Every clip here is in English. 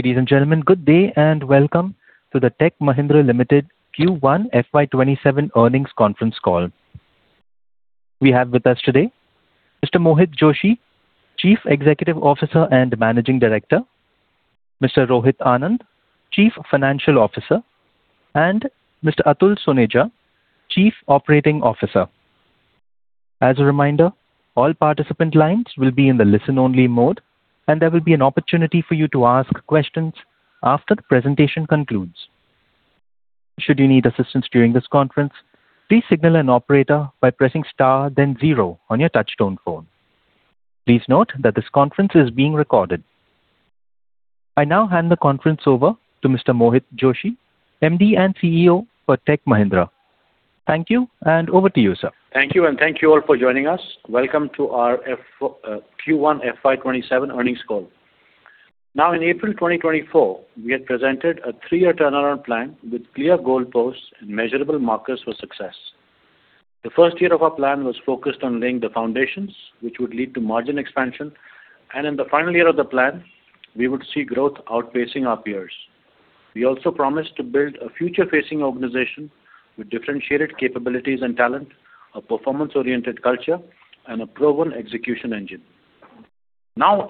Ladies and gentlemen, good day and welcome to the Tech Mahindra Limited Q1 FY 2027 Earnings Conference Call. We have with us today Mr. Mohit Joshi, Chief Executive Officer and Managing Director; Mr. Rohit Anand, Chief Financial Officer; and Mr. Atul Soneja, Chief Operating Officer. As a reminder, all participant lines will be in the listen-only mode, and there will be an opportunity for you to ask questions after the presentation concludes. Should you need assistance during this conference, please signal an operator by pressing star then zero on your touchtone phone. Please note that this conference is being recorded. I now hand the conference over to Mr. Mohit Joshi, MD and CEO for Tech Mahindra. Thank you, over to you, sir. Thank you, thank you all for joining us. Welcome to our Q1 FY 2027 earnings call. In April 2024, we had presented a three-year turnaround plan with clear goalposts and measurable markers for success. The first year of our plan was focused on laying the foundations which would lead to margin expansion, and in the final year of the plan, we would see growth outpacing our peers. We also promised to build a future-facing organization with differentiated capabilities and talent, a performance-oriented culture, and a proven execution engine.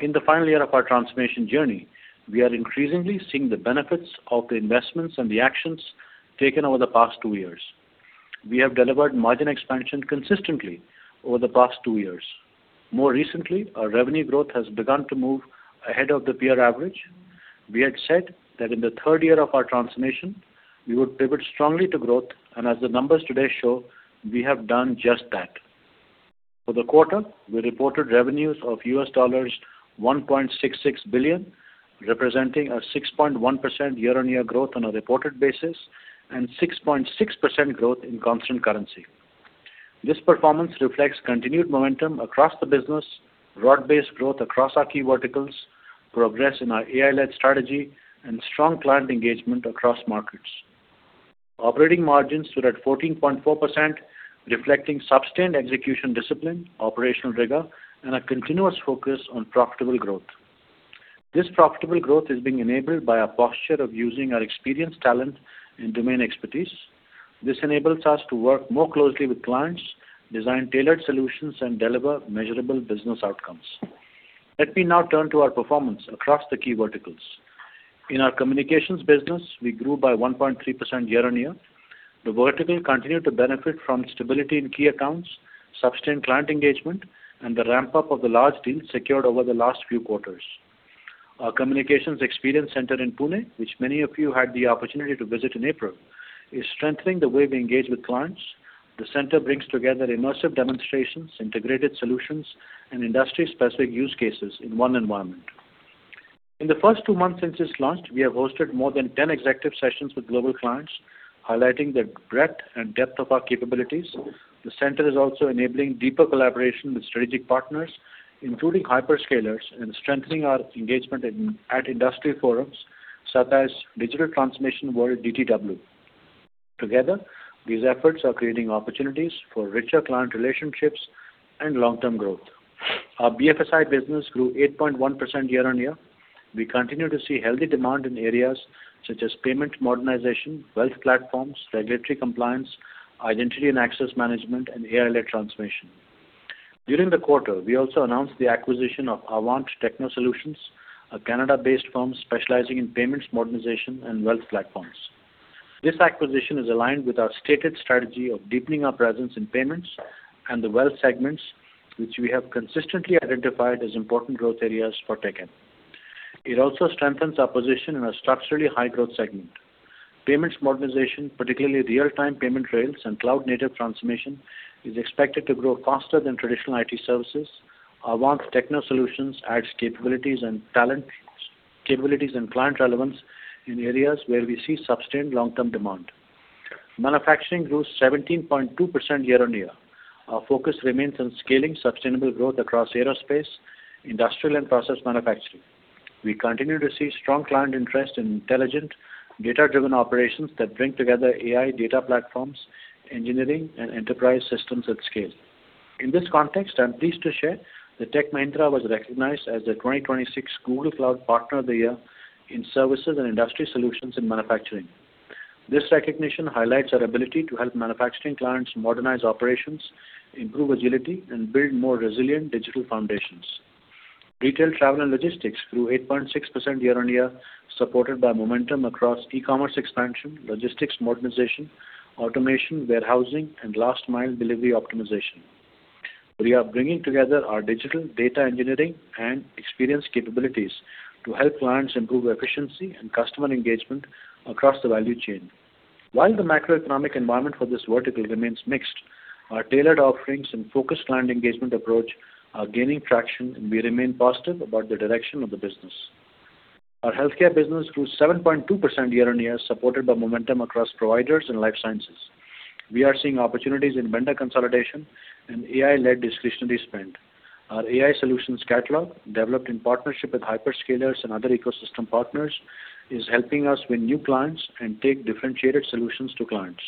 In the final year of our transformation journey, we are increasingly seeing the benefits of the investments and the actions taken over the past two years. We have delivered margin expansion consistently over the past two years. More recently, our revenue growth has begun to move ahead of the peer average. We had said that in the third year of our transformation, we would pivot strongly to growth. As the numbers today show, we have done just that. For the quarter, we reported revenues of $1.66 billion, representing a 6.1% year-on-year growth on a reported basis and 6.6% growth in constant currency. This performance reflects continued momentum across the business, broad-based growth across our key verticals, progress in our AI-led strategy, and strong client engagement across markets. Operating margins stood at 14.4%, reflecting sustained execution discipline, operational rigor, and a continuous focus on profitable growth. This profitable growth is being enabled by our posture of using our experienced talent and domain expertise. This enables us to work more closely with clients, design tailored solutions, and deliver measurable business outcomes. Let me now turn to our performance across the key verticals. In our communications business, we grew by 1.3% year-on-year. The vertical continued to benefit from stability in key accounts, sustained client engagement, and the ramp-up of the large deals secured over the last few quarters. Our Communications Experience Center in Pune, which many of you had the opportunity to visit in April, is strengthening the way we engage with clients. The center brings together immersive demonstrations, integrated solutions, and industry-specific use cases in one environment. In the first two months since it's launched, we have hosted more than 10 executive sessions with global clients, highlighting the breadth and depth of our capabilities. The center is also enabling deeper collaboration with strategic partners, including hyperscalers, and strengthening our engagement at industry forums such as Digital Transformation World, DTW. Together, these efforts are creating opportunities for richer client relationships and long-term growth. Our BFSI business grew 8.1% year-on-year. We continue to see healthy demand in areas such as payment modernization, wealth platforms, regulatory compliance, identity and access management, and AI-led transformation. During the quarter, we also announced the acquisition of Avant Techno Solutions, a Canada-based firm specializing in payments modernization and wealth platforms. This acquisition is aligned with our stated strategy of deepening our presence in payments and the wealth segments, which we have consistently identified as important growth areas for TechM. It also strengthens our position in a structurally high-growth segment. Payments modernization, particularly real-time payment rails and cloud-native transformation, is expected to grow faster than traditional IT services. Avant Techno Solutions adds capabilities and client relevance in areas where we see sustained long-term demand. Manufacturing grew 17.2% year-on-year. Our focus remains on scaling sustainable growth across aerospace, industrial and process manufacturing. We continue to see strong client interest in intelligent data-driven operations that bring together AI data platforms, engineering, and enterprise systems at scale. In this context, I'm pleased to share that Tech Mahindra was recognized as the 2026 Google Cloud Partner of the Year in Services and Industry Solutions in Manufacturing. This recognition highlights our ability to help manufacturing clients modernize operations, improve agility, and build more resilient digital foundations. Retail, travel, and logistics grew 8.6% year-on-year, supported by momentum across e-commerce expansion, logistics modernization, automation, warehousing, and last-mile delivery optimization. We are bringing together our digital data engineering and experience capabilities to help clients improve efficiency and customer engagement across the value chain. While the macroeconomic environment for this vertical remains mixed, our tailored offerings and focused client engagement approach are gaining traction, and we remain positive about the direction of the business. Our healthcare business grew 7.2% year-on-year, supported by momentum across providers and life sciences. We are seeing opportunities in vendor consolidation and AI-led discretionary spend. Our AI solutions catalog, developed in partnership with hyperscalers and other ecosystem partners, is helping us win new clients and take differentiated solutions to clients.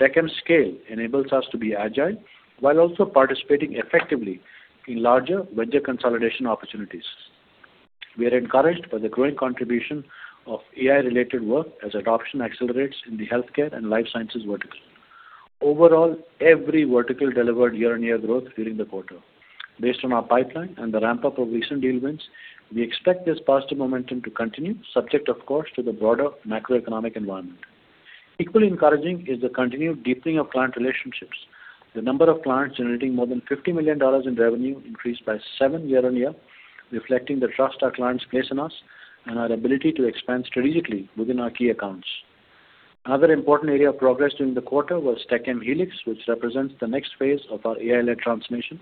TechM scale enables us to be agile while also participating effectively in larger vendor consolidation opportunities. We are encouraged by the growing contribution of AI-related work as adoption accelerates in the healthcare and life sciences vertical. Overall, every vertical delivered year-on-year growth during the quarter. Based on our pipeline and the ramp-up of recent deal wins, we expect this positive momentum to continue, subject, of course, to the broader macroeconomic environment. Equally encouraging is the continued deepening of client relationships. The number of clients generating more than $50 million in revenue increased by seven year-on-year, reflecting the trust our clients place in us and our ability to expand strategically within our key accounts. Another important area of progress during the quarter was TechM Helix, which represents the next phase of our AI-led transformation.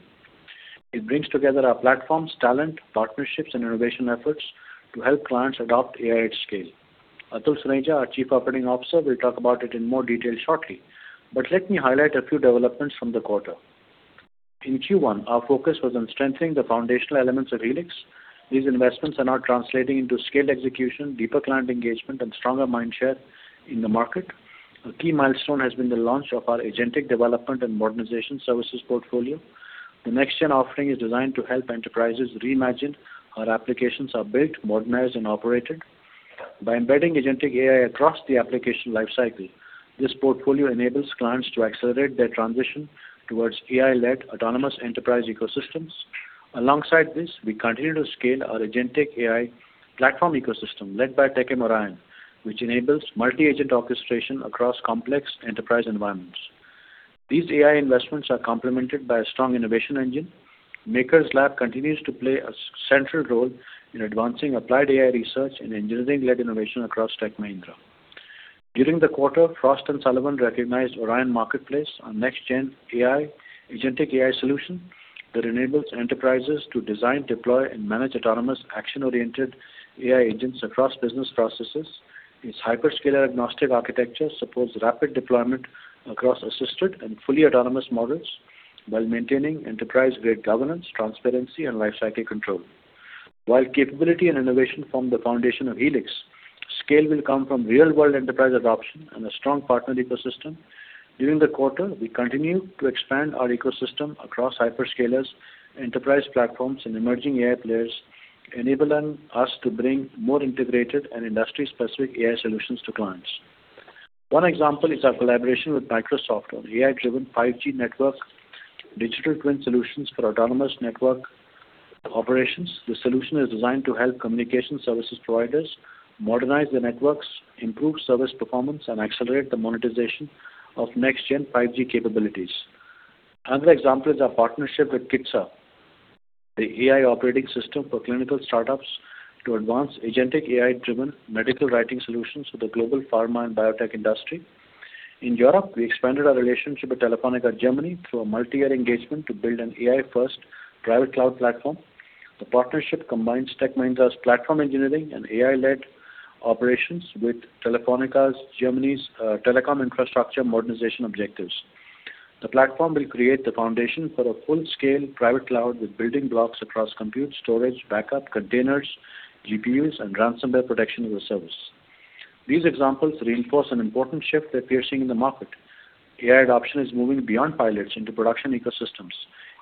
It brings together our platforms, talent, partnerships, and innovation efforts to help clients adopt AI at scale. Atul Soneja, our Chief Operating Officer, will talk about it in more detail shortly. Let me highlight a few developments from the quarter. In Q1, our focus was on strengthening the foundational elements of Helix. These investments are now translating into scaled execution, deeper client engagement, and stronger mind share in the market. A key milestone has been the launch of our Agentic Development & Modernization Services portfolio. The next-gen offering is designed to help enterprises reimagine how applications are built, modernized, and operated. By embedding agentic AI across the application life cycle, this portfolio enables clients to accelerate their transition towards AI-led autonomous enterprise ecosystems. Alongside this, we continue to scale our agentic AI platform ecosystem led by TechM Orion, which enables multi-agent orchestration across complex enterprise environments. These AI investments are complemented by a strong innovation engine. Makers Lab continues to play a central role in advancing applied AI research and engineering-led innovation across Tech Mahindra. During the quarter, Frost & Sullivan recognized Orion Marketplace, our next-gen agentic AI solution that enables enterprises to design, deploy, and manage autonomous, action-oriented AI agents across business processes. Its hyperscaler-agnostic architecture supports rapid deployment across assisted and fully autonomous models while maintaining enterprise-grade governance, transparency, and lifecycle control. While capability and innovation form the foundation of Helix, scale will come from real-world enterprise adoption and a strong partner ecosystem. During the quarter, we continued to expand our ecosystem across hyperscalers, enterprise platforms, and emerging AI players, enabling us to bring more integrated and industry-specific AI solutions to clients. One example is our collaboration with Microsoft on AI-driven 5G network digital twin solutions for autonomous network operations. This solution is designed to help communication services providers modernize their networks, improve service performance, and accelerate the monetization of next-gen 5G capabilities. Another example is our partnership with Kitsa, the AI operating system for clinical startups, to advance agentic AI-driven medical writing solutions for the global pharma and biotech industry. In Europe, we expanded our relationship with Telefónica Germany through a multi-year engagement to build an AI-first private cloud platform. The partnership combines Tech Mahindra's platform engineering and AI-led operations with Telefónica Germany's telecom infrastructure modernization objectives. The platform will create the foundation for a full-scale private cloud with building blocks across compute, storage, backup, containers, GPUs, and ransomware protection as a service. These examples reinforce an important shift that we are seeing in the market. AI adoption is moving beyond pilots into production ecosystems.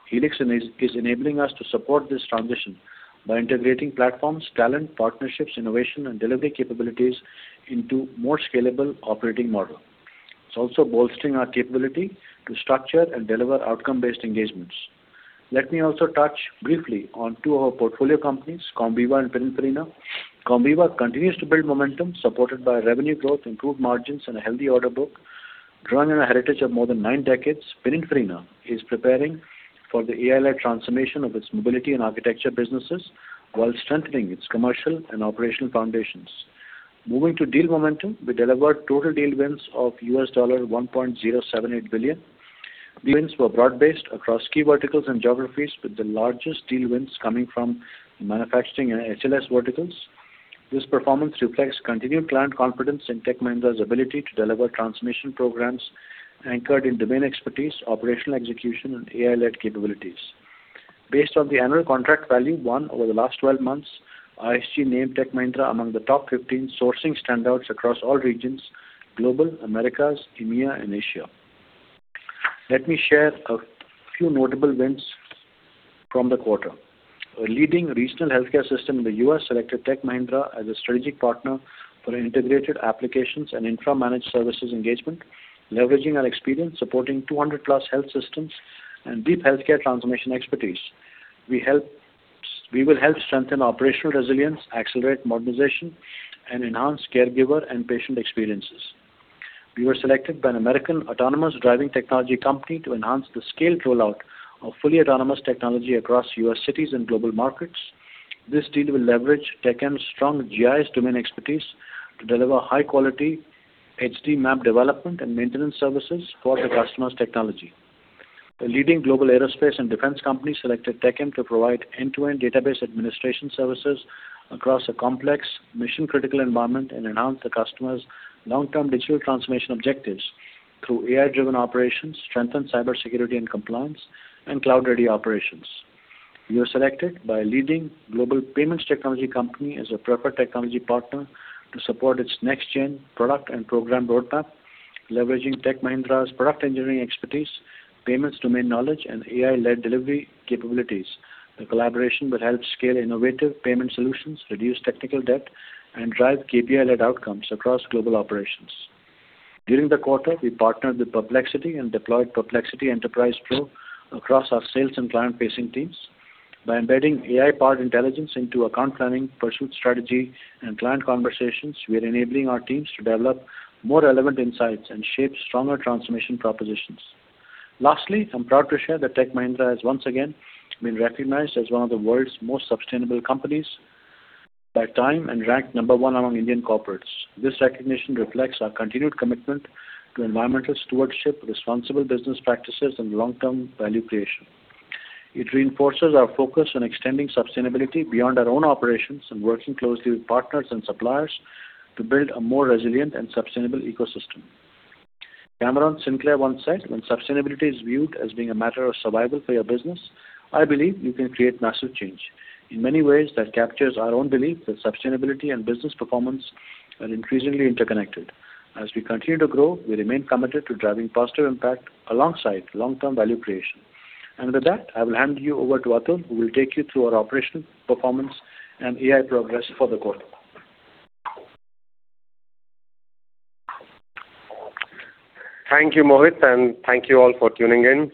Helix is enabling us to support this transition by integrating platforms, talent, partnerships, innovation, and delivery capabilities into a more scalable operating model. It's also bolstering our capability to structure and deliver outcome-based engagements. Let me also touch briefly on two of our portfolio companies, Comviva and Pininfarina. Comviva continues to build momentum, supported by revenue growth, improved margins, and a healthy order book. Drawing on a heritage of more than nine decades, Pininfarina is preparing for the AI-led transformation of its mobility and architecture businesses while strengthening its commercial and operational foundations. Moving to deal momentum, we delivered total deal wins of $1.078 billion. These wins were broad-based across key verticals and geographies, with the largest deal wins coming from manufacturing and HLS verticals. This performance reflects continued client confidence in Tech Mahindra's ability to deliver transformation programs anchored in domain expertise, operational execution, and AI-led capabilities. Based on the annual contract value won over the last 12 months, ISG named Tech Mahindra among the top 15 sourcing standouts across all regions, Global, Americas, EMEA, and Asia. Let me share a few notable wins from the quarter. A leading regional healthcare system in the U.S. selected Tech Mahindra as a strategic partner for integrated applications and infra managed services engagement, leveraging our experience supporting 200+ health systems and deep healthcare transformation expertise. We will help strengthen operational resilience, accelerate modernization, and enhance caregiver and patient experiences. We were selected by an American autonomous driving technology company to enhance the scaled rollout of fully autonomous technology across U.S. cities and global markets. This deal will leverage TechM's strong GIS domain expertise to deliver high-quality HD map development and maintenance services for the customer's technology. A leading global aerospace and defense company selected TechM to provide end-to-end database administration services across a complex mission-critical environment and enhance the customer's long-term digital transformation objectives through AI-driven operations, strengthened cybersecurity and compliance, and cloud-ready operations. We were selected by a leading global payments technology company as a preferred technology partner to support its next-gen product and program roadmap, leveraging Tech Mahindra's product engineering expertise, payments domain knowledge, and AI-led delivery capabilities. The collaboration will help scale innovative payment solutions, reduce technical debt, and drive KPI-led outcomes across global operations. During the quarter, we partnered with Perplexity and deployed Perplexity Enterprise Pro across our sales and client-facing teams. By embedding AI-powered intelligence into account planning, pursuit strategy, and client conversations, we are enabling our teams to develop more relevant insights and shape stronger transformation propositions. Lastly, I'm proud to share that Tech Mahindra has once again been recognized as one of the world's most sustainable companies by TIME, and ranked number one among Indian corporates. This recognition reflects our continued commitment to environmental stewardship, responsible business practices, and long-term value creation. It reinforces our focus on extending sustainability beyond our own operations and working closely with partners and suppliers to build a more resilient and sustainable ecosystem. Cameron Sinclair once said, "When sustainability is viewed as being a matter of survival for your business, I believe you can create massive change." In many ways, that captures our own belief that sustainability and business performance are increasingly interconnected. As we continue to grow, we remain committed to driving positive impact alongside long-term value creation. With that, I will hand you over to Atul, who will take you through our operational performance and AI progress for the quarter. Thank you, Mohit, and thank you all for tuning in.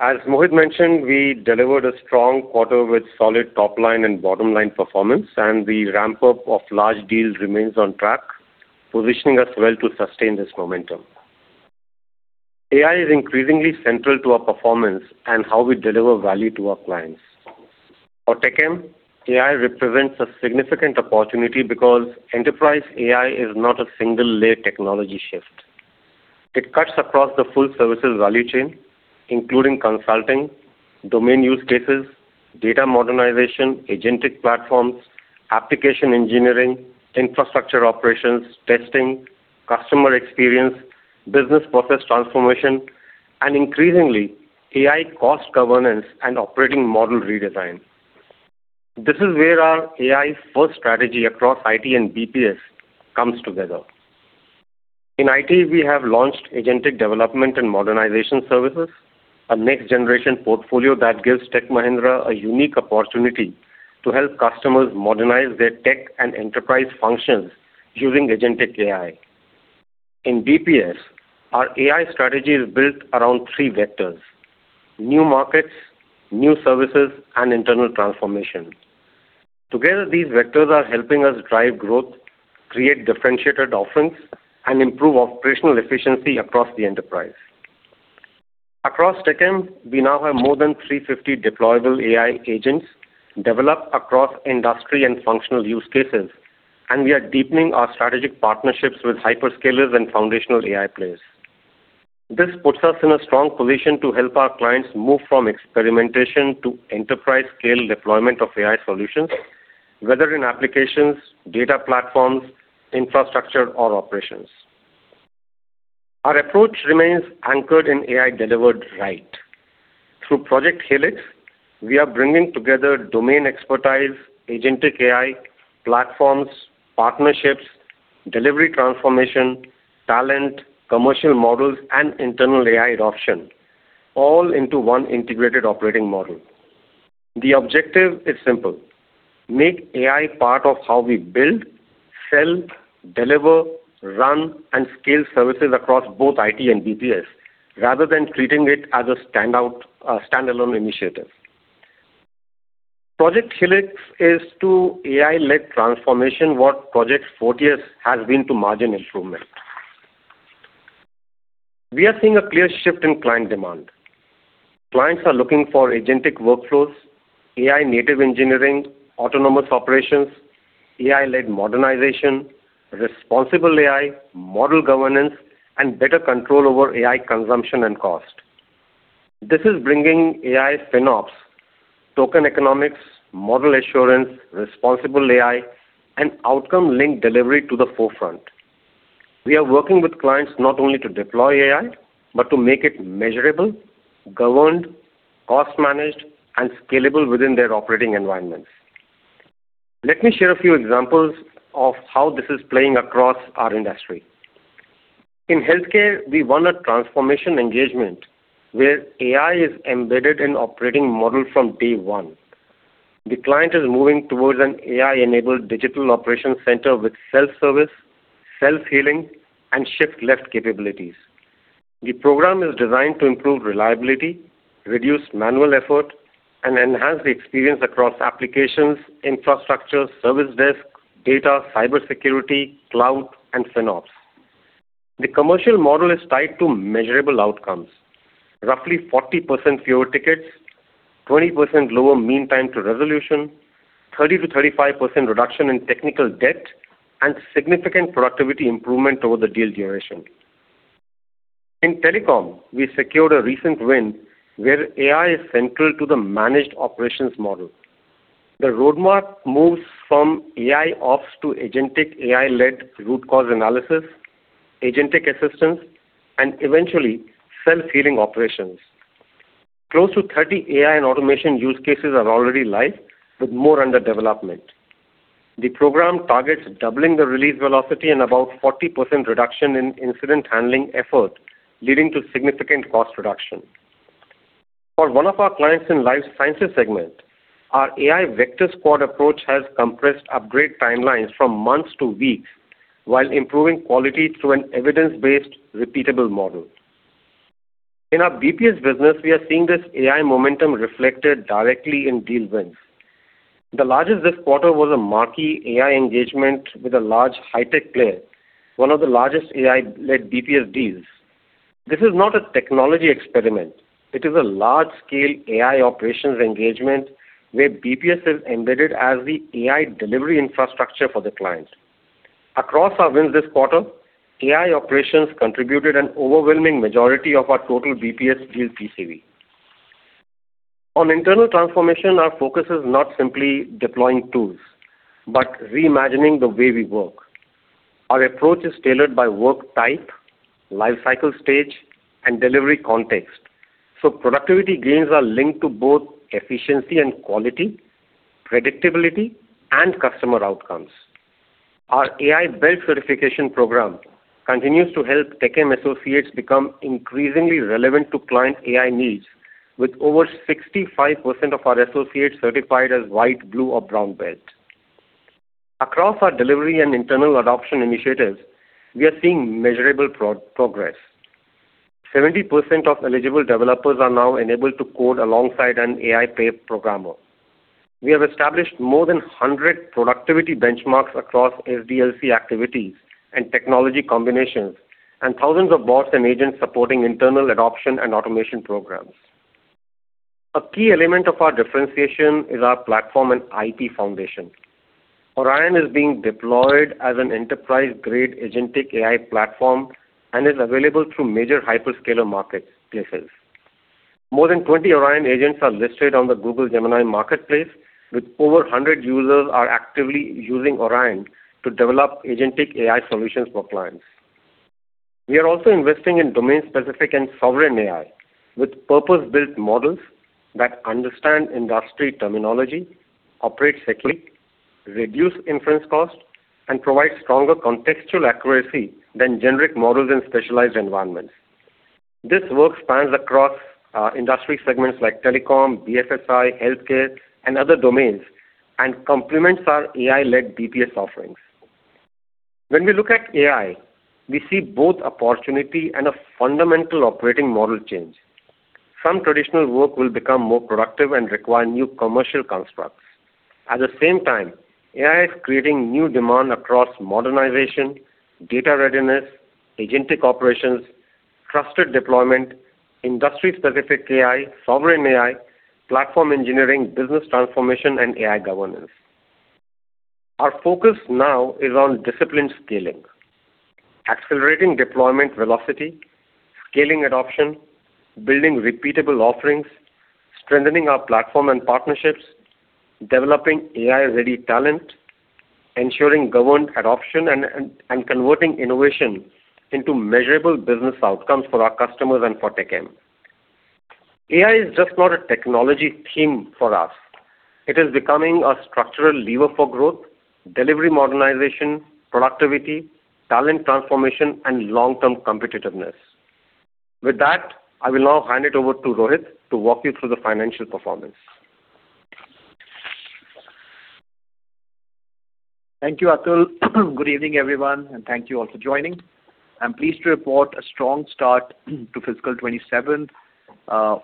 As Mohit mentioned, we delivered a strong quarter with solid top-line and bottom-line performance, the ramp-up of large deals remains on track, positioning us well to sustain this momentum. AI is increasingly central to our performance and how we deliver value to our clients. For TechM, AI represents a significant opportunity because enterprise AI is not a single-layer technology shift. It cuts across the full services value chain, including consulting, domain use cases, data modernization, agentic platforms, application engineering, infrastructure operations, testing, customer experience, business process transformation, and increasingly, AI cost governance and operating model redesign. This is where our AI's first strategy across IT and BPS comes together. In IT, we have launched Agentic Development and Modernization Services, a next-generation portfolio that gives Tech Mahindra a unique opportunity to help customers modernize their tech and enterprise functions using agentic AI. In BPS, our AI strategy is built around three vectors: new markets, new services, and internal transformation. Together, these vectors are helping us drive growth, create differentiated offerings, and improve operational efficiency across the enterprise. Across TechM, we now have more than 350 deployable AI agents developed across industry and functional use cases, and we are deepening our strategic partnerships with hyperscalers and foundational AI players. This puts us in a strong position to help our clients move from experimentation to enterprise-scale deployment of AI solutions, whether in applications, data platforms, infrastructure, or operations. Our approach remains anchored in AI delivered right. Through Project Helix, we are bringing together domain expertise, agentic AI, platforms, partnerships, delivery transformation, talent, commercial models, and internal AI adoption, all into one integrated operating model. The objective is simple: make AI part of how we build, sell, deliver, run, and scale services across both IT and BPS, rather than treating it as a standalone initiative. Project Helix is to AI-led transformation what Project Fortius has been to margin improvement. We are seeing a clear shift in client demand. Clients are looking for agentic workflows, AI-native engineering, autonomous operations, AI-led modernization, responsible AI, model governance, and better control over AI consumption and cost. This is bringing AI FinOps, token economics, model assurance, responsible AI, and outcome-linked delivery to the forefront. We are working with clients not only to deploy AI but to make it measurable, governed, cost-managed, and scalable within their operating environments. Let me share a few examples of how this is playing across our industry. In healthcare, we won a transformation engagement where AI is embedded in operating model from day one. The client is moving towards an AI-enabled digital operation center with self-service, self-healing, and shift left capabilities. The program is designed to improve reliability, reduce manual effort, and enhance the experience across applications, infrastructure, service desk, data, cybersecurity, cloud, and FinOps. The commercial model is tied to measurable outcomes. Roughly 40% fewer tickets, 20% lower mean time to resolution, 30%-35% reduction in technical debt, and significant productivity improvement over the deal duration. In telecom, we secured a recent win where AI is central to the managed operations model. The roadmap moves from AI ops to agentic AI-led root cause analysis, agentic assistance, and eventually self-healing operations. Close to 30 AI and automation use cases are already live, with more under development. The program targets doubling the release velocity and about 40% reduction in incident handling effort, leading to significant cost reduction. For one of our clients in life sciences segment, our AI vector squad approach has compressed upgrade timelines from months to weeks while improving quality through an evidence-based, repeatable model. In our BPS business, we are seeing this AI momentum reflected directly in deal wins. The largest this quarter was a marquee AI engagement with a large high-tech player, one of the largest AI-led BPS deals. This is not a technology experiment. It is a large-scale AI operations engagement where BPS is embedded as the AI delivery infrastructure for the client. Across our wins this quarter, AI operations contributed an overwhelming majority of our total BPS deal TCV. On internal transformation, our focus is not simply deploying tools but reimagining the way we work. Our approach is tailored by work type, life cycle stage, and delivery context. Productivity gains are linked to both efficiency and quality, predictability, and customer outcomes. Our AI belt certification program continues to help TechM associates become increasingly relevant to client AI needs, with over 65% of our associates certified as white, blue, or brown belt. Across our delivery and internal adoption initiatives, we are seeing measurable progress. 70% of eligible developers are now enabled to code alongside an AI pair programmer. We have established more than 100 productivity benchmarks across SDLC activities and technology combinations, and thousands of bots and agents supporting internal adoption and automation programs. A key element of our differentiation is our platform and IP foundation. Orion is being deployed as an enterprise-grade agentic AI platform and is available through major hyperscaler marketplaces. More than 20 Orion agents are listed on the Google Gemini marketplace, with over 100 users actively using Orion to develop agentic AI solutions for clients. We are also investing in domain-specific and sovereign AI with purpose-built models that understand industry terminology, operate securely, reduce inference cost, and provide stronger contextual accuracy than generic models in specialized environments. This work spans across industry segments like telecom, BFSI, healthcare, and other domains and complements our AI-led BPS offerings. When we look at AI, we see both opportunity and a fundamental operating model change. Some traditional work will become more productive and require new commercial constructs. At the same time, AI is creating new demand across modernization, data readiness, agentic operations, trusted deployment, industry-specific AI, sovereign AI, platform engineering, business transformation, and AI governance. Our focus now is on disciplined scaling. Accelerating deployment velocity. Scaling adoption. Building repeatable offerings. Strengthening our platform and partnerships. Developing AI-ready talent. Ensuring governed adoption and converting innovation into measurable business outcomes for our customers and for TechM. AI is just not a technology theme for us. It is becoming a structural lever for growth, delivery modernization, productivity, talent transformation, and long-term competitiveness. With that, I will now hand it over to Rohit to walk you through the financial performance. Thank you, Atul. Good evening, everyone, and thank you all for joining. I'm pleased to report a strong start to fiscal 2027,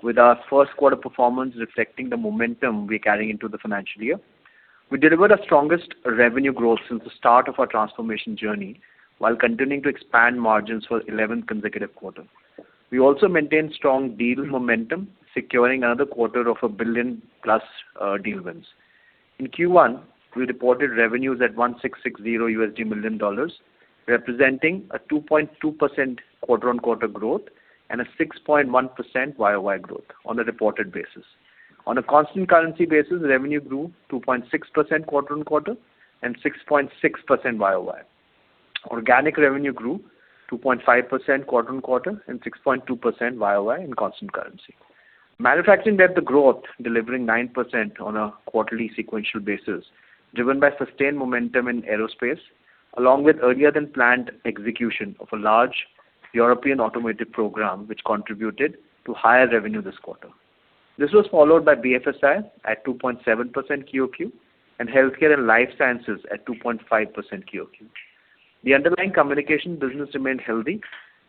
with our first quarter performance reflecting the momentum we are carrying into the financial year. We delivered our strongest revenue growth since the start of our transformation journey while continuing to expand margins for 11 consecutive quarter. We also maintained strong deal momentum, securing another $250,000,000+ deal wins. In Q1, we reported revenues at $1,660,000,000, representing a 2.2% quarter-on-quarter growth and a 6.1% YoY growth on a reported basis. On a constant currency basis, revenue grew 2.6% quarter-on-quarter and 6.6% YoY. Organic revenue grew 2.5% quarter-on-quarter and 6.2% YoY in constant currency. Manufacturing led the growth, delivering 9% on a quarterly sequential basis, driven by sustained momentum in aerospace, along with earlier than planned execution of a large European automotive program, which contributed to higher revenue this quarter. This was followed by BFSI at 2.7% QoQ and healthcare and life sciences at 2.5% QoQ. The underlying communication business remained healthy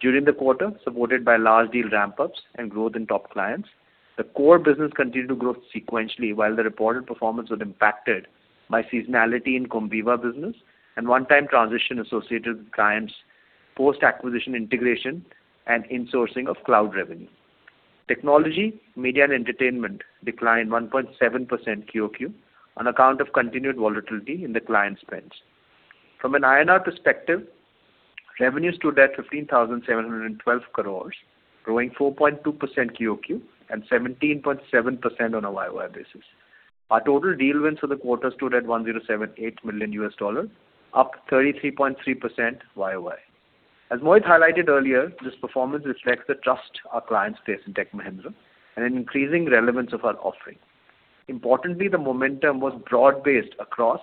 during the quarter, supported by large deal ramp-ups and growth in top clients. The core business continued to grow sequentially, while the reported performance was impacted by seasonality in Comviva business and one-time transition associated with clients post-acquisition integration and insourcing of cloud revenue. Technology, media, and entertainment declined 1.7% QoQ on account of continued volatility in the client spends. From an INR perspective, revenue stood at 15,712 crores, growing 4.2% QoQ and 17.7% on a year-on-year basis. Our total deal wins for the quarter stood at $1.078 billion, up 33.3% year-on-year. As Mohit highlighted earlier, this performance reflects the trust our clients place in Tech Mahindra and an increasing relevance of our offering. The momentum was broad-based across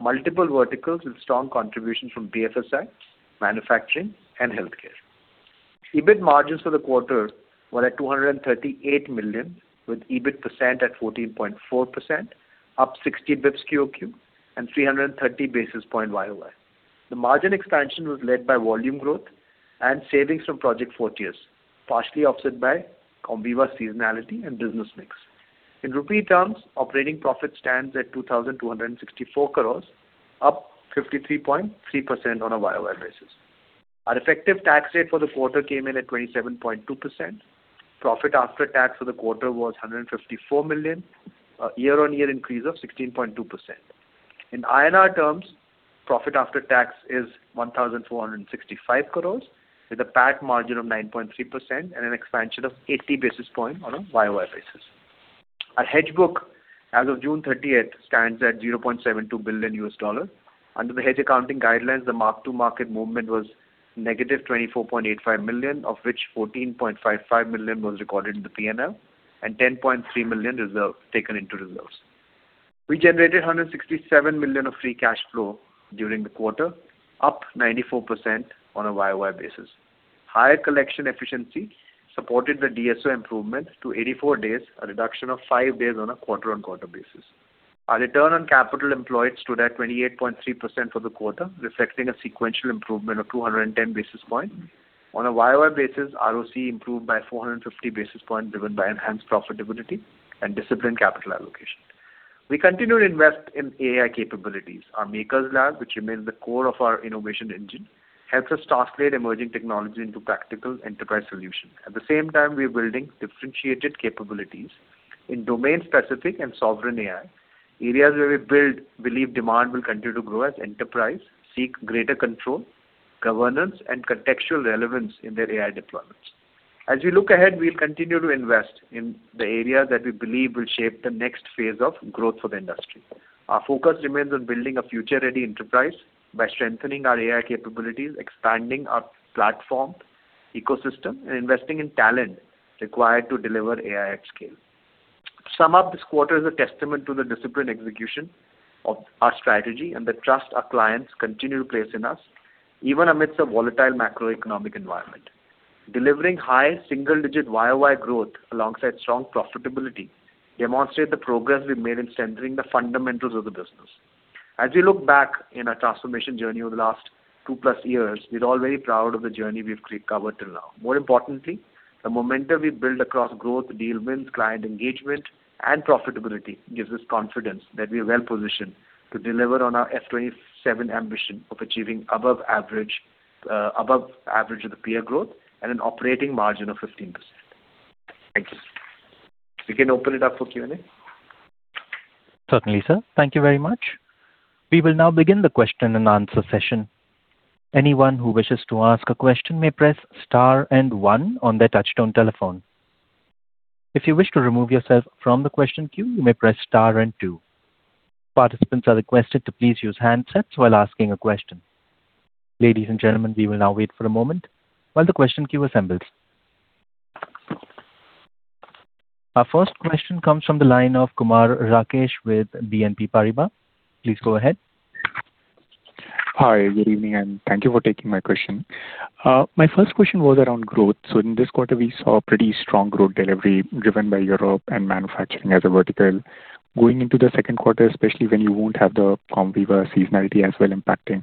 multiple verticals with strong contribution from BFSI, manufacturing, and healthcare. EBIT margins for the quarter were at 238 million, with EBIT percent at 14.4%, up 60 basis points QoQ and 330 basis points YoY. The margin expansion was led by volume growth and savings from Project Fortius, partially offset by Comviva seasonality and business mix. In rupee terms, operating profit stands at 2,264 crores, up 53.3% on a YoY basis. Our effective tax rate for the quarter came in at 27.2%. Profit after tax for the quarter was 154 million, a year-on-year increase of 16.2%. In INR terms, profit after tax is 1,465 crores, with a PAT margin of 9.3% and an expansion of 80 basis points on a year-on-year basis. Our hedge book as of June 30th stands at $0.72 billion. Under the hedge accounting guidelines, the mark-to-market movement was -$24.85 million, of which $14.55 million was recorded in the P&L and $10.3 million reserved, taken into reserves. We generated $167 million of free cash flow during the quarter, up 94% on a year-on-year basis. Higher collection efficiency supported the DSO improvement to 84 days, a reduction of five days on a quarter-on-quarter basis. Our return on capital employed stood at 28.3% for the quarter, reflecting a sequential improvement of 210 basis points. On a YoY basis, ROCE improved by 450 basis points, driven by enhanced profitability and disciplined capital allocation. We continue to invest in AI capabilities. Our Makers Lab, which remains the core of our innovation engine, helps us translate emerging technology into practical enterprise solutions. We're building differentiated capabilities in domain-specific and sovereign AI, areas where we believe demand will continue to grow as enterprise seek greater control, governance, and contextual relevance in their AI deployments. We'll continue to invest in the areas that we believe will shape the next phase of growth for the industry. Our focus remains on building a future-ready enterprise by strengthening our AI capabilities, expanding our platform ecosystem, and investing in talent required to deliver AI at scale. This quarter is a testament to the disciplined execution of our strategy and the trust our clients continue to place in us, even amidst a volatile macroeconomic environment. Delivering high single-digit year-on-year growth alongside strong profitability demonstrate the progress we've made in centering the fundamentals of the business. As we look back in our transformation journey over the last two-plus years, we're all very proud of the journey we've covered till now. More importantly, the momentum we've built across growth, deal wins, client engagement, and profitability gives us confidence that we are well-positioned to deliver on our FY 2027 ambition of achieving above average of the peer growth and an operating margin of 15%. Thank you. We can open it up for Q&A. Certainly, sir. Thank you very much. We will now begin the question and answer session. Anyone who wishes to ask a question may press star and one on their touchtone telephone. If you wish to remove yourself from the question queue, you may press star and two. Participants are requested to please use handsets while asking a question. Ladies and gentlemen, we will now wait for a moment while the question queue assembles. Our first question comes from the line of Kumar Rakesh with BNP Paribas. Please go ahead. Hi. Good evening, Thank you for taking my question. My first question was around growth. In this quarter, we saw pretty strong growth delivery driven by Europe and manufacturing as a vertical. Going into the second quarter, especially when you won't have the Comviva seasonality as well impacting,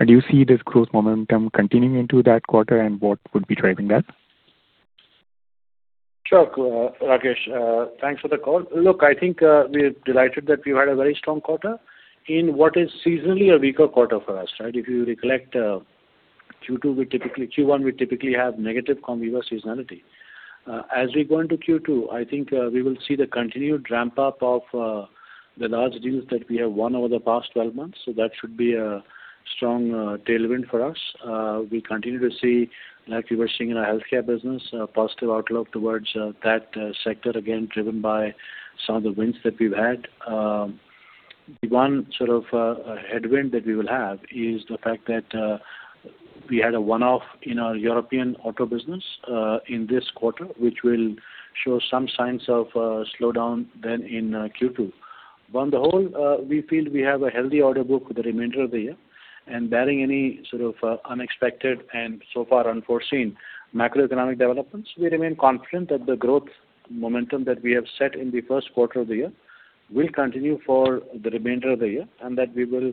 do you see this growth momentum continuing into that quarter, and what would be driving that? Sure, Rakesh. Thanks for the call. Look, I think we're delighted that we've had a very strong quarter in what is seasonally a weaker quarter for us. If you recollect, Q1, we typically have negative Comviva seasonality. As we go into Q2, I think we will see the continued ramp-up of the large deals that we have won over the past 12 months. That should be a strong tailwind for us. We continue to see, like we were seeing in our healthcare business, a positive outlook towards that sector, again, driven by some of the wins that we've had. The one sort of headwind that we will have is the fact that we had a one-off in our European auto business in this quarter, which will show some signs of a slowdown in Q2. On the whole, we feel we have a healthy order book for the remainder of the year. Barring any sort of unexpected and so far unforeseen macroeconomic developments, we remain confident that the growth momentum that we have set in the first quarter of the year will continue for the remainder of the year, and that we will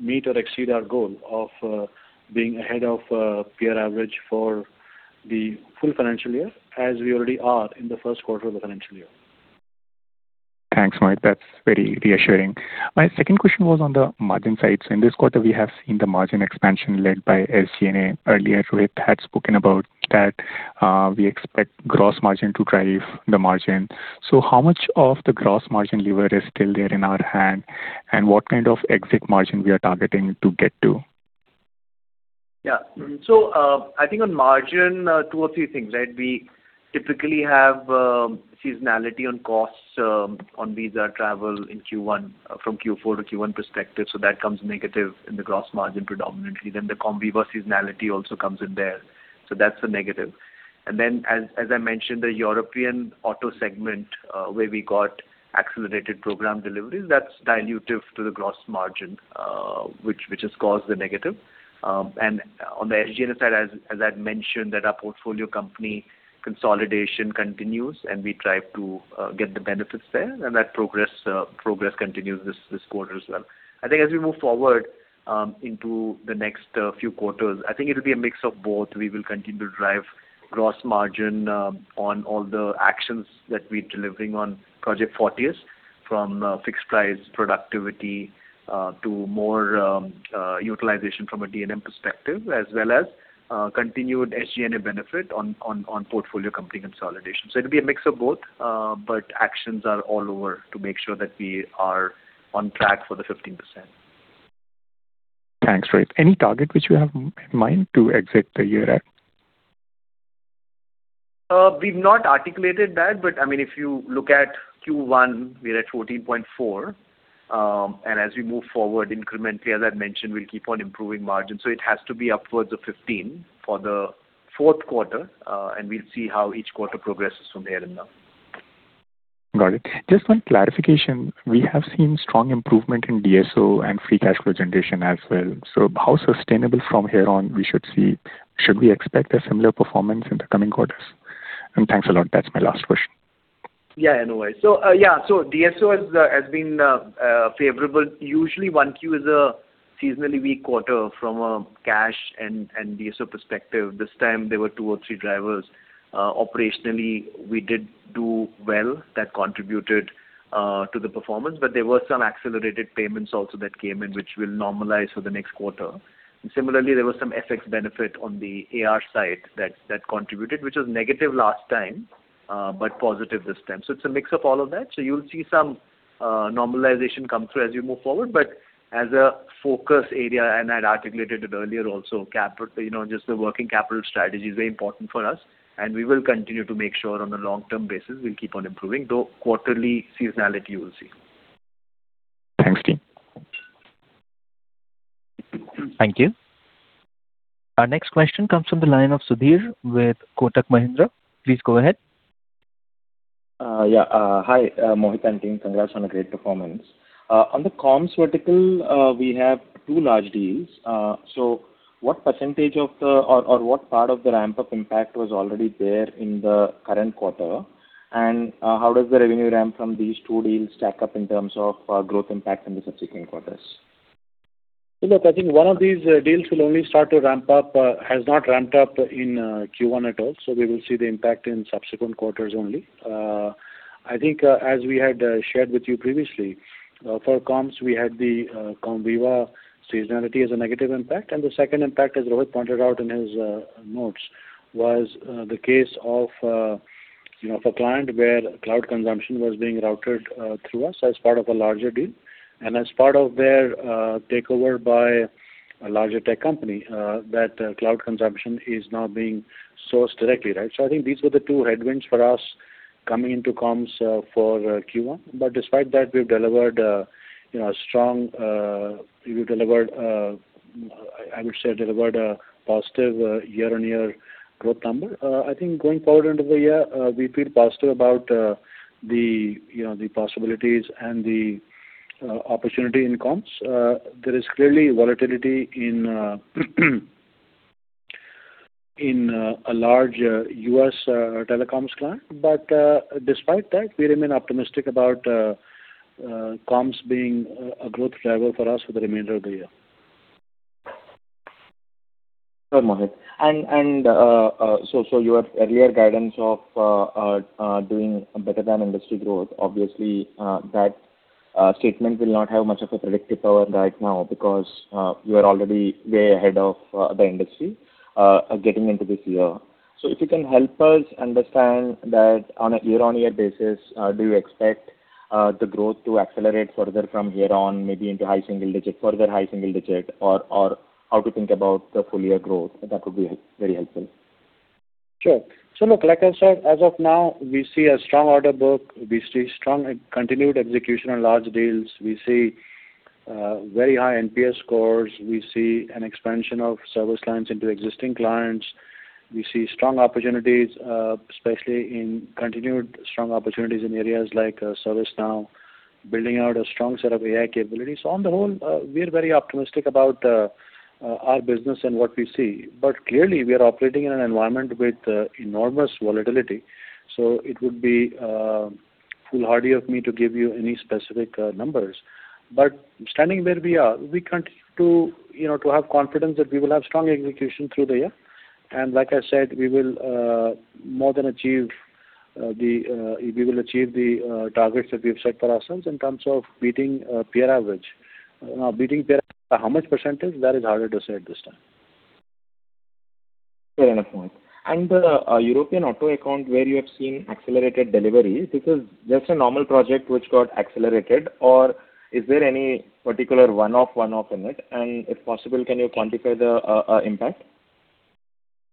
meet or exceed our goal of being ahead of peer average for the full financial year, as we already are in the first quarter of the financial year. Thanks, Mohit. That's very reassuring. My second question was on the margin side. In this quarter, we have seen the margin expansion led by SG&A. Earlier, Rohit had spoken about that we expect gross margin to drive the margin. How much of the gross margin lever is still there in our hand, and what kind of exit margin we are targeting to get to? I think on margin, two or three things. We typically have seasonality on costs on visa travel from Q4 to Q1 perspective. That comes negative in the gross margin predominantly. The Comviva seasonality also comes in there. That's a negative. As I mentioned, the European auto segment, where we got accelerated program deliveries, that's dilutive to the gross margin, which has caused the negative. On the SG&A side, as I had mentioned, that our portfolio company consolidation continues, and we try to get the benefits there, and that progress continues this quarter as well. I think as we move forward into the next few quarters, I think it will be a mix of both. We will continue to drive gross margin on all the actions that we're delivering on Project Fortius from fixed price productivity to more utilization from a D&M perspective as well as continued SG&A benefit on portfolio company consolidation. It'll be a mix of both, actions are all over to make sure that we are on track for the 15%. Thanks, Rohit. Any target which you have in mind to exit the year at? We've not articulated that, but if you look at Q1, we're at 14.4%. As we move forward incrementally, as I mentioned, we'll keep on improving margin. It has to be upwards of 15% for the fourth quarter, we'll see how each quarter progresses from there on now. Got it. Just one clarification. We have seen strong improvement in DSO and free cash flow generation as well. How sustainable from here on we should see. Should we expect a similar performance in the coming quarters? Thanks a lot. That's my last question. Yeah, no worries. DSO has been favorable. Usually, 1Q is a seasonally weak quarter from a cash and DSO perspective. This time there were two or three drivers. Operationally, we did do well. That contributed to the performance, but there were some accelerated payments also that came in, which will normalize for the next quarter. Similarly, there was some FX benefit on the AR side that contributed, which was negative last time, but positive this time. It's a mix of all of that. You'll see some normalization come through as we move forward, but as a focus area, I'd articulated it earlier also, just the working capital strategy is very important for us, we will continue to make sure on a long-term basis we'll keep on improving, though quarterly seasonality, we'll see. Thanks, team. Thank you. Our next question comes from the line of Sudheer with Kotak Mahindra. Please go ahead. Hi, Mohit and team. Congrats on a great performance. On the comms vertical, we have two large deals. What percentage of the, or what part of the ramp-up impact was already there in the current quarter? How does the revenue ramp from these two deals stack up in terms of growth impact in the subsequent quarters? Look, I think one of these deals will only start to ramp up, has not ramped up in Q1 at all. We will see the impact in subsequent quarters only. I think, as we had shared with you previously, for comms, we had the Comviva seasonality as a negative impact. The second impact, as Rohit pointed out in his notes, was the case of a client where cloud consumption was being routed through us as part of a larger deal. As part of their takeover by a larger tech company, that cloud consumption is now being sourced directly. I think these were the two headwinds for us coming into comms for Q1. Despite that, we've delivered a strong, I would say, delivered a positive year-on-year growth number. I think going forward into the year, we feel positive about the possibilities and the opportunity in comms. There is clearly volatility in a large U.S. telecoms client. Despite that, we remain optimistic about comms being a growth driver for us for the remainder of the year. Sure, Mohit. Your earlier guidance of doing better than industry growth, obviously, that statement will not have much of a predictive power right now because you are already way ahead of the industry getting into this year. If you can help us understand that on a year-on-year basis, do you expect the growth to accelerate further from here on, maybe into further high single digit? How to think about the full-year growth? That would be very helpful. Sure. Look, like I said, as of now, we see a strong order book. We see strong continued execution on large deals. We see very high NPS scores. We see an expansion of service lines into existing clients. We see strong opportunities, especially in continued strong opportunities in areas like ServiceNow, building out a strong set of AI capabilities. On the whole, we are very optimistic about our business and what we see. Clearly, we are operating in an environment with enormous volatility. It would be foolhardy of me to give you any specific numbers. Standing where we are, we continue to have confidence that we will have strong execution through the year. Like I said, we will achieve the targets that we have set for ourselves in terms of beating peer average. Now, beating peer, how much percentage, that is harder to say at this time. Fair enough point. The European auto account where you have seen accelerated delivery, this is just a normal project which got accelerated, or is there any particular one-off in it? If possible, can you quantify the impact?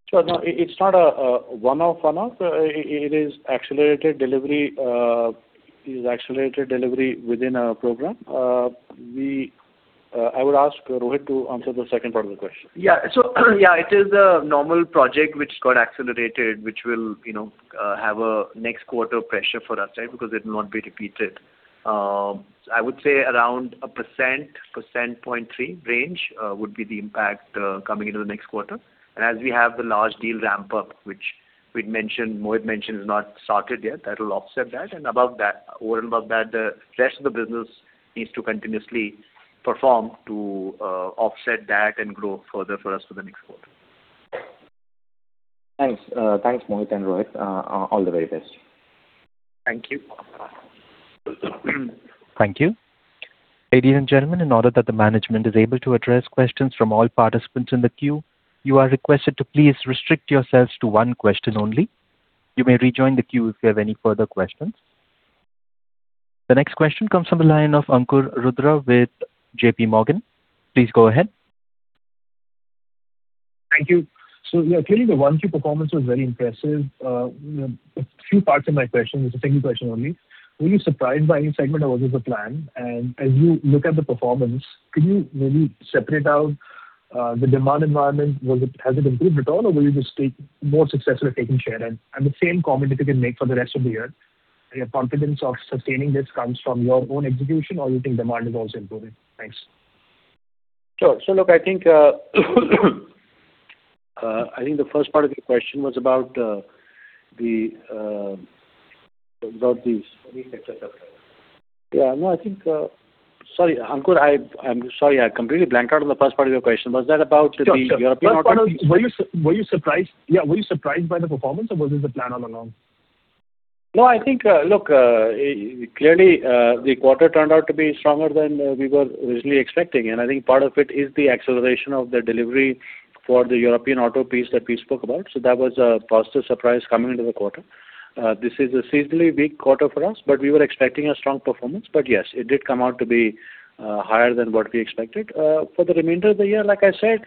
Sure. No, it's not a one-off. It is accelerated delivery within a program. I will ask Rohit to answer the second part of the question. Yeah. It is a normal project which got accelerated, which will have a next quarter pressure for us because it will not be repeated. I would say around a 1.3% range would be the impact, coming into the next quarter. As we have the large deal ramp-up, which Mohit mentioned is not sorted yet, that will offset that and over and above that, the rest of the business needs to continuously perform to offset that and grow further for us for the next quarter. Thanks, Mohit and Rohit. All the very best. Thank you. Welcome. Thank you. Ladies and gentlemen, in order that the management is able to address questions from all participants in the queue, you are requested to please restrict yourselves to one question only. You may rejoin the queue if you have any further questions. The next question comes from the line of Ankur Rudra with JPMorgan. Please go ahead. Thank you. Yeah, clearly the 1Q performance was very impressive. A few parts of my question. It's a single question only. Were you surprised by any segment, or was this the plan? As you look at the performance, could you maybe separate out the demand environment? Has it improved at all, or were you just more successful at taking share? The same comment if you can make for the rest of the year. Your confidence of sustaining this comes from your own execution, or you think demand is also improving? Thanks. Sure. Look, I think the first part of your question was about the- Which sector? Yeah, no, I think Sorry, Ankur. I'm sorry. I completely blanked out on the first part of your question. Was that about the European auto piece? Sure. First part was, were you surprised by the performance, or was this the plan all along? I think, look, clearly, the quarter turned out to be stronger than we were originally expecting. I think part of it is the acceleration of the delivery for the European auto piece that we spoke about. That was a positive surprise coming into the quarter. This is a seasonally weak quarter for us, but we were expecting a strong performance. Yes, it did come out to be higher than what we expected. For the remainder of the year, like I said,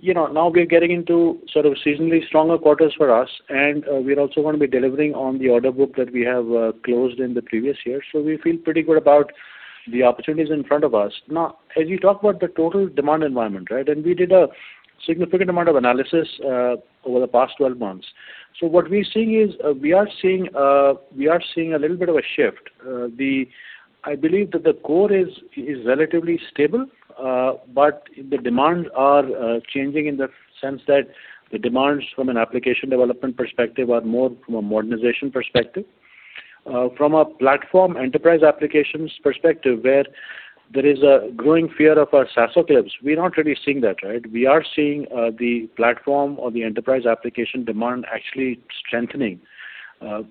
now we're getting into sort of seasonally stronger quarters for us, and we're also going to be delivering on the order book that we have closed in the previous year. We feel pretty good about the opportunities in front of us. As you talk about the total demand environment, right? We did a significant amount of analysis over the past 12 months. What we are seeing, we are seeing a little bit of a shift. I believe that the core is relatively stable. The demands are changing in the sense that the demands from an application development perspective are more from a modernization perspective. From a platform enterprise applications perspective, where there is a growing fear of our SaaS eclipse, we're not really seeing that, right? We are seeing the platform or the enterprise application demand actually strengthening.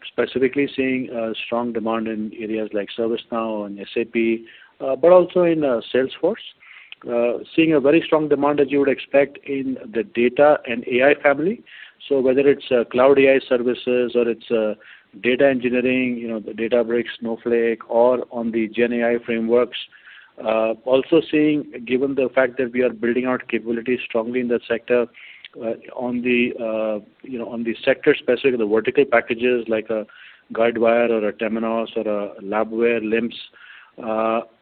Specifically seeing strong demand in areas like ServiceNow and SAP, but also in Salesforce. Seeing a very strong demand as you would expect in the data and AI family. Whether it's cloud AI services or it's data engineering, the Databricks, Snowflake, or on the GenAI frameworks. Also seeing, given the fact that we are building out capabilities strongly in the sector, on the sector-specific, the vertical packages like a Guidewire or a Temenos or a LabWare LIMS.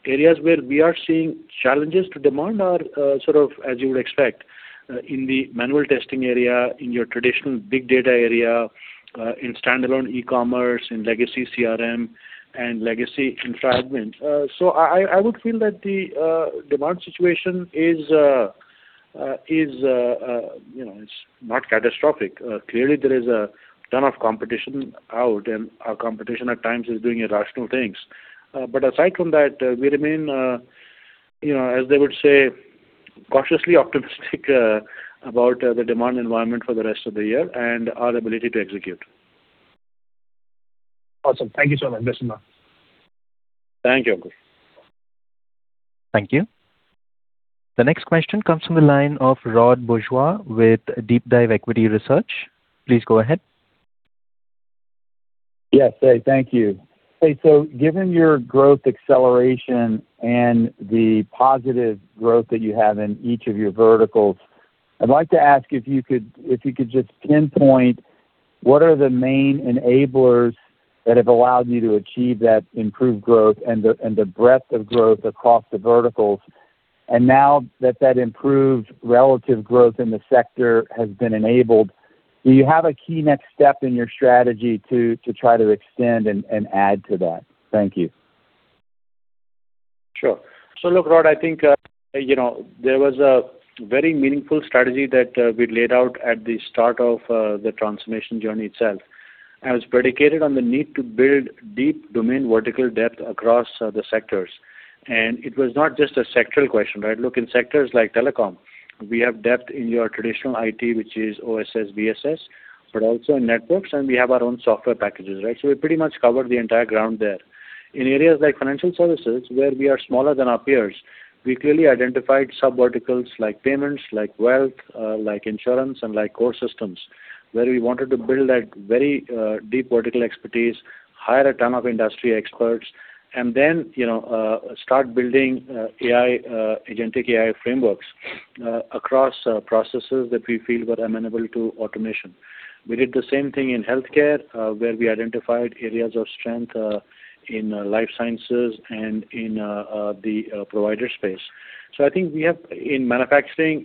Areas where we are seeing challenges to demand are sort of as you would expect, in the manual testing area, in your traditional big data area, in standalone e-commerce, in legacy CRM, and legacy entitlement. I would feel that the demand situation is not catastrophic. Clearly, there is a ton of competition out there, and our competition at times is doing irrational things. Aside from that, we remain, as they would say, cautiously optimistic about the demand environment for the rest of the year and our ability to execute. Awesome. Thank you so much. Best of luck. Thank you. Thank you. The next question comes from the line of Rod Bourgeois with DeepDive Equity Research. Please go ahead. Yes. Hey. Thank you. Hey. Given your growth acceleration and the positive growth that you have in each of your verticals, I'd like to ask if you could just pinpoint what are the main enablers that have allowed you to achieve that improved growth and the breadth of growth across the verticals. Now that that improved relative growth in the sector has been enabled, do you have a key next step in your strategy to try to extend and add to that? Thank you. Sure. Look, Rod, I think there was a very meaningful strategy that we laid out at the start of the transformation journey itself, and it was predicated on the need to build deep domain vertical depth across the sectors. It was not just a sectoral question, right? Look, in sectors like telecom, we have depth in your traditional IT, which is OSS/BSS, but also in networks, and we have our own software packages, right? We pretty much cover the entire ground there. In areas like financial services where we are smaller than our peers. We clearly identified sub-verticals like payments, like wealth, like insurance, and like core systems, where we wanted to build that very deep vertical expertise, hire a ton of industry experts, then start building agentic AI frameworks across processes that we feel were amenable to automation. We did the same thing in healthcare, where we identified areas of strength in life sciences and in the provider space. I think in manufacturing,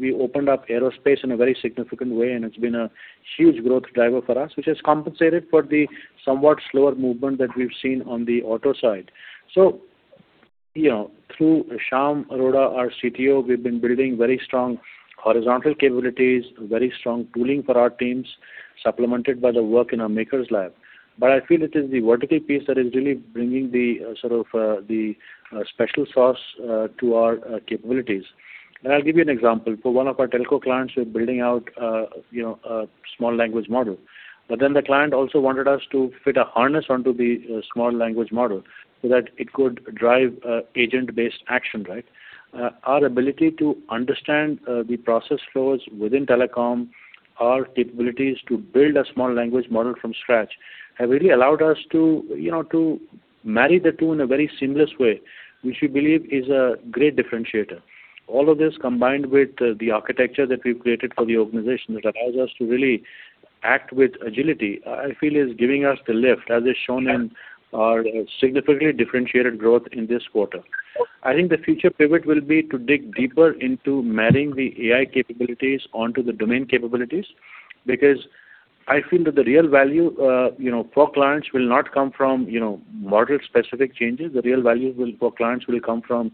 we opened up aerospace in a very significant way, and it's been a huge growth driver for us, which has compensated for the somewhat slower movement that we've seen on the auto side. Through Sham Arora, our CTO, we've been building very strong horizontal capabilities, very strong tooling for our teams, supplemented by the work in our Makers Lab. I feel it is the vertical piece that is really bringing the special sauce to our capabilities. I'll give you an example. For one of our telco clients, we're building out a small language model. The client also wanted us to fit a harness onto the small language model so that it could drive agent-based action. Our ability to understand the process flows within telecom, our capabilities to build a small language model from scratch, have really allowed us to marry the two in a very seamless way, which we believe is a great differentiator. All of this combined with the architecture that we've created for the organization that allows us to really act with agility, I feel is giving us the lift, as is shown in our significantly differentiated growth in this quarter. I think the future pivot will be to dig deeper into marrying the AI capabilities onto the domain capabilities, because I feel that the real value for clients will not come from model-specific changes. The real value for clients will come from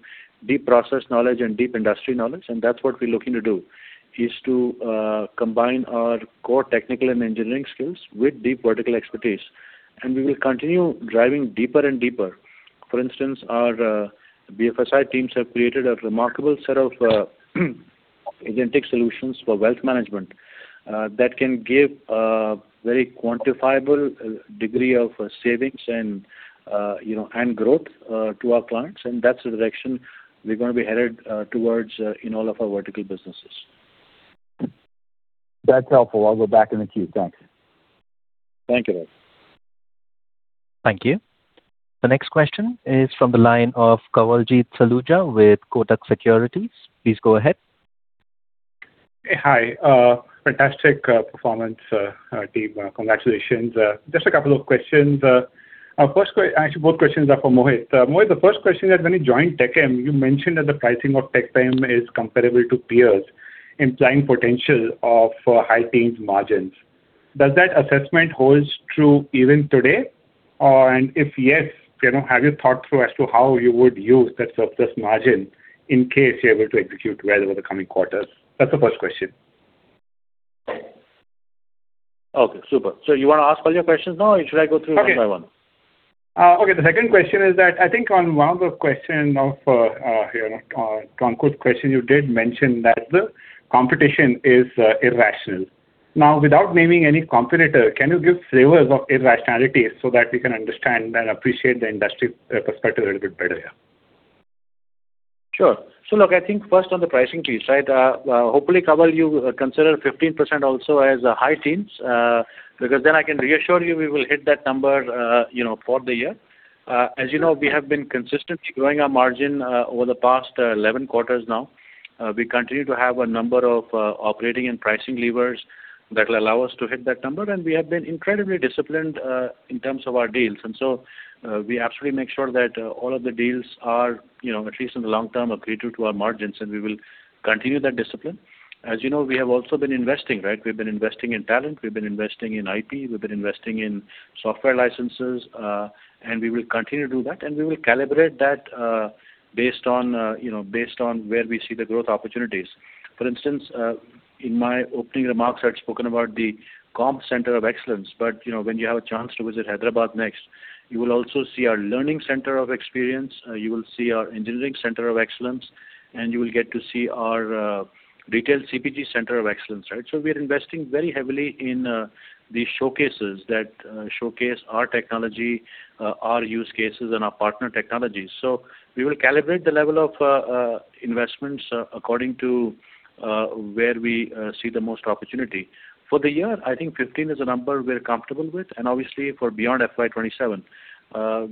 deep process knowledge and deep industry knowledge, that's what we're looking to do, is to combine our core technical and engineering skills with deep vertical expertise. We will continue driving deeper and deeper. For instance, our BFSI teams have created a remarkable set of agentic solutions for wealth management that can give a very quantifiable degree of savings and growth to our clients, that's the direction we're going to be headed towards in all of our vertical businesses. That's helpful. I'll go back in the queue. Thanks. Thank you, Rod. Thank you. The next question is from the line of Kawaljeet Saluja with Kotak Securities. Please go ahead. Hey, hi. Fantastic performance, team. Congratulations. Just a couple of questions. Actually, both questions are for Mohit. Mohit, the first question is, when you joined TechM, you mentioned that the pricing of TechM is comparable to peers, implying potential of high teens margins. Does that assessment hold true even today? If yes, have you thought through as to how you would use the surplus margin in case you're able to execute well over the coming quarters? That's the first question. Okay, super. You want to ask all your questions now, or should I go through one by one? Okay. The second question is that I think on one of the questions, on Ankur's question, you did mention that the competition is irrational. Without naming any competitor, can you give flavors of irrationality so that we can understand and appreciate the industry perspective a little bit better here? Sure. Look, I think first on the pricing piece. Hopefully, Kawal, you consider 15% also as high teens, because then I can reassure you we will hit that number for the year. You know, we have been consistently growing our margin over the past 11 quarters now. We continue to have a number of operating and pricing levers that will allow us to hit that number, and we have been incredibly disciplined in terms of our deals. We absolutely make sure that all of the deals are, at least in the long term, accretive to our margins, and we will continue that discipline. You know, we have also been investing. We've been investing in talent, we've been investing in IP, we've been investing in software licenses, we will continue to do that, we will calibrate that based on where we see the growth opportunities. For instance, in my opening remarks, I had spoken about the Communications Experience Center. When you have a chance to visit Hyderabad next, you will also see our Learning Center of Experience, you will see our Engineering Center of Excellence, you will get to see our Retail CPG Center of Excellence. We're investing very heavily in these showcases that showcase our technology, our use cases, and our partner technologies. We will calibrate the level of investments according to where we see the most opportunity. For the year, I think 15 is a number we're comfortable with, obviously for beyond FY 2027,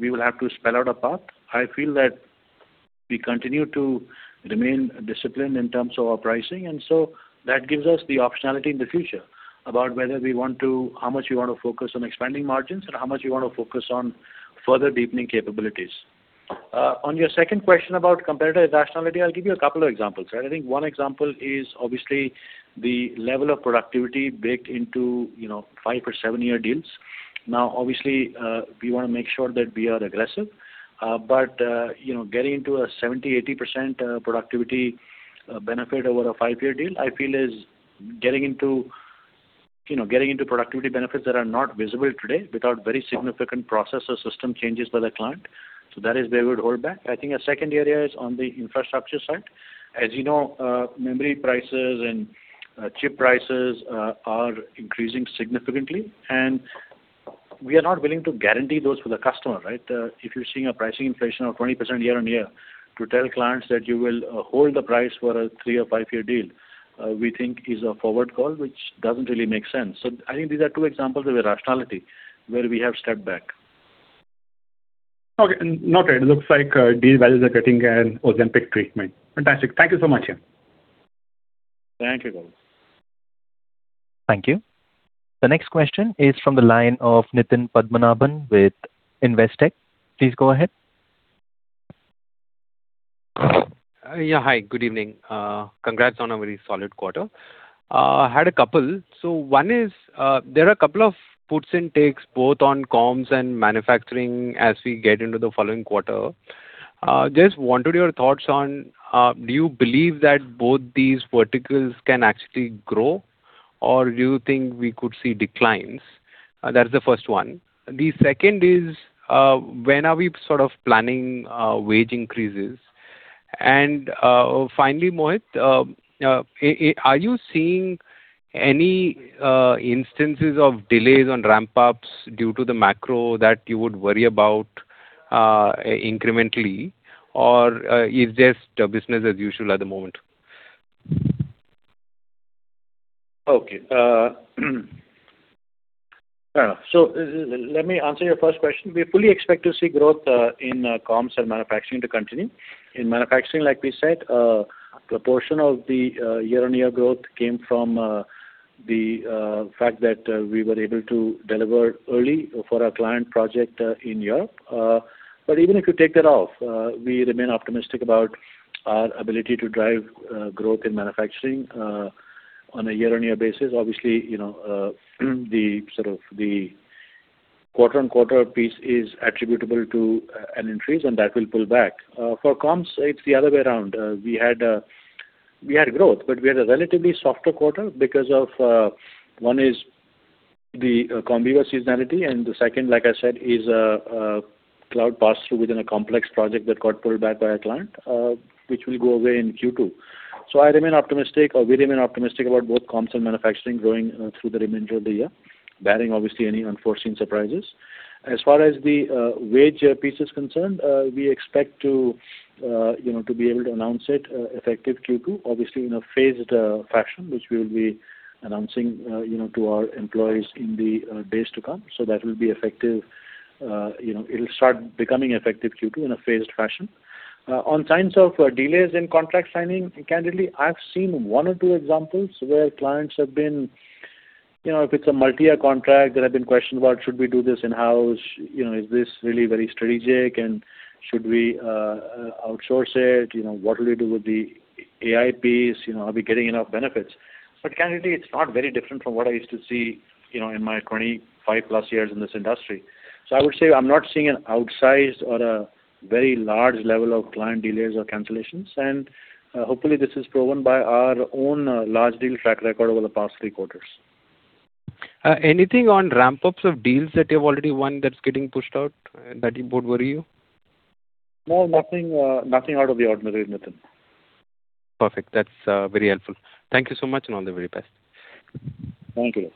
we will have to spell out a path. I feel that we continue to remain disciplined in terms of our pricing, that gives us the optionality in the future about how much we want to focus on expanding margins and how much we want to focus on further deepening capabilities. On your second question about competitor irrationality, I'll give you a couple of examples. I think one example is obviously the level of productivity baked into five or seven-year deals. Obviously, we want to make sure that we are aggressive. Getting into a 70%-80% productivity benefit over a five-year deal, I feel is getting into productivity benefits that are not visible today without very significant process or system changes by the client. That is where we'd hold back. I think a second area is on the infrastructure side. As you know, memory prices and chip prices are increasing significantly, We are not willing to guarantee those for the customer. If you're seeing a pricing inflation of 20% year-on-year, to tell clients that you will hold the price for a three or five-year deal, we think is a forward call, which doesn't really make sense. I think these are two examples of irrationality where we have stepped back. Okay. Noted. It looks like deal values are getting an Ozempic treatment. Fantastic. Thank you so much. Thank you, Kawal. Thank you. The next question is from the line of Nitin Padmanabhan with Investec. Please go ahead. Hi. Good evening. Congrats on a very solid quarter. I had a couple. One is, there are a couple of puts and takes both on comms and manufacturing as we get into the following quarter. Just wondered your thoughts on, do you believe that both these verticals can actually grow or do you think we could see declines? That is the first one. The second is, when are we planning wage increases? Finally, Mohit, are you seeing any instances of delays on ramp-ups due to the macro that you would worry about incrementally, or is this business as usual at the moment? Okay. Fair enough. Let me answer your first question. We fully expect to see growth in comms and manufacturing to continue. In manufacturing, like we said, a proportion of the year-on-year growth came from the fact that we were able to deliver early for our client project in Europe. Even if you take that off, we remain optimistic about our ability to drive growth in manufacturing on a year-on-year basis. Obviously, the quarter-on-quarter piece is attributable to an increase, and that will pull back. For comms, it's the other way around. We had growth, but we had a relatively softer quarter because of, one is the comm year seasonality, and the second, like I said, is a cloud pass-through within a complex project that got pulled back by a client, which will go away in Q2. I remain optimistic, or we remain optimistic about both comms and manufacturing growing through the remainder of the year, barring obviously any unforeseen surprises. As far as the wage piece is concerned, we expect to be able to announce it effective Q2, obviously in a phased fashion, which we will be announcing to our employees in the days to come. That it'll start becoming effective Q2 in a phased fashion. On signs of delays in contract signing, candidly, I've seen one or two examples where clients have been, if it's a multi-year contract, there have been questions about should we do this in-house, is this really very strategic, and should we outsource it? What will we do with the AI piece, are we getting enough benefits? But candidly, it's not very different from what I used to see in my 25+ years in this industry. I would say I'm not seeing an outsized or a very large level of client delays or cancellations, and hopefully this is proven by our own large deal track record over the past three quarters. Anything on ramp-ups of deals that you've already won that's getting pushed out that would worry you? No, nothing out of the ordinary, Nitin. Perfect. That's very helpful. Thank you so much, all the very best. Thank you.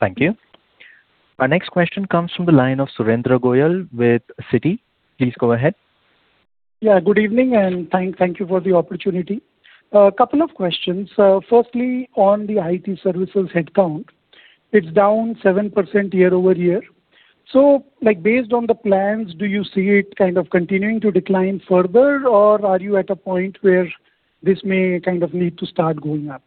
Thank you. Our next question comes from the line of Surendra Goyal with Citi. Please go ahead. Good evening, thank you for the opportunity. A couple of questions. Firstly, on the IT services headcount, it's down 7% year-over-year. Based on the plans, do you see it kind of continuing to decline further, or are you at a point where this may kind of need to start going up?